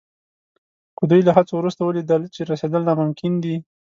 که دوی له هڅو وروسته ولیدل چې رسېدل ناممکن دي.